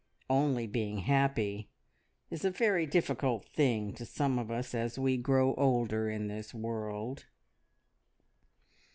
`Only being happy' is a very difficult thing to some of us as we grow older in this world."